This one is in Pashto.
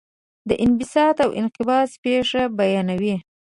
د انبساط او انقباض پېښه بیانوي.